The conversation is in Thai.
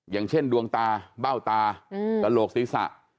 อย่างเช่นดวงตาเบ้าตากะโหลกสิทธิ์ศรรย์